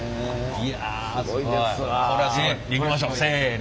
いきましょうせの。